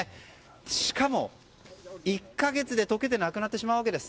しかも、１か月で解けてなくなってしまうわけです。